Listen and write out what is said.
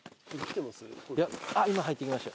あっ今入ってきました。